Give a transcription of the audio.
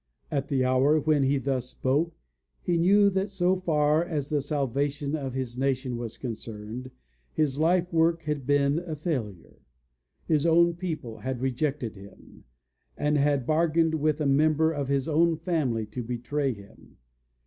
At the hour when he thus spoke he knew that, so far as the salvation of his nation was concerned, his life work had been a failure. His own people had rejected him and had bargained with a member of his own family to betray him.